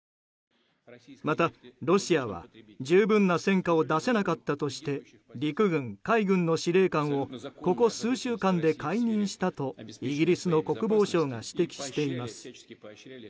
また、ロシアは十分な戦果を出せなかったとして陸軍、海軍の司令官をここ数週間で解任したとイギリスの国防省が指摘しています。